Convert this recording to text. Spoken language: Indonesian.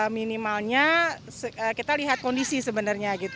minimalnya kita lihat kondisi sebenarnya